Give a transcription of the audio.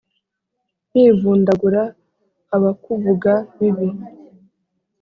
nkivundagura abakuvuga bibi